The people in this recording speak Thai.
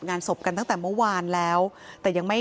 คุณยายบอกว่ารู้สึกเหมือนใครมายืนอยู่ข้างหลัง